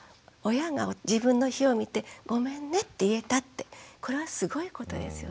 親が自分の非を見て「ごめんね」って言えたってこれはすごいことですよね。